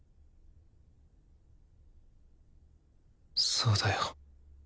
そうだよ。